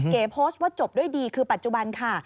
เก๋โพสต์ว่าจบด้วยดีคือปัจจุบันค่ะ